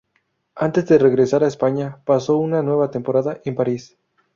Antes de regresar a España, pasó una nueva temporada en París.